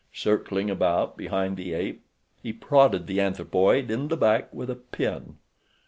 Circling about behind the ape he prodded the anthropoid in the back with a pin.